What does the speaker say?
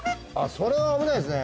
それは危ないですね。